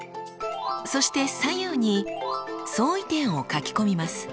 そして左右に「相違点」を書き込みます。